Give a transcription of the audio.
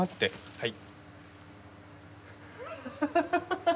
はい。